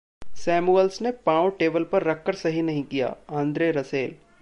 Samuels ने पांव table पर रख कर सही नहीं कियाः आंद्रे रसेल